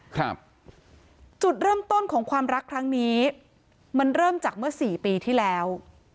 ครับจุดเริ่มต้นของความรักครั้งนี้มันเริ่มจากเมื่อสี่ปีที่แล้ว